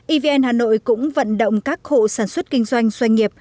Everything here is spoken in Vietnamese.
evn hà nội cũng vận động các hộ sản xuất kinh doanh doanh nghiệp